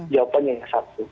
jawabannya yang satu